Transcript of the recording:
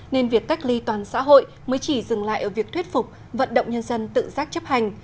nên việc cách ly toàn xã hội mới chỉ dừng lại ở việc thuyết phục vận động nhân dân tự giác chấp hành